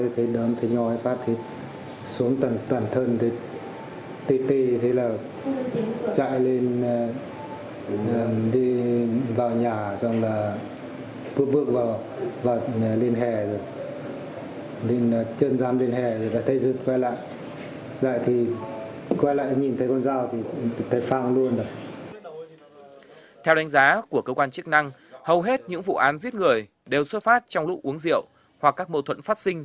theo đánh giá của cơ quan chức năng hầu hết những vụ án giết người đều xuất phát trong lũ uống rượu hoặc các mâu thuẫn phát sinh